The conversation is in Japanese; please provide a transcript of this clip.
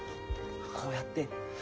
こうやって。